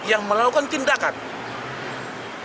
yang melakukan operasi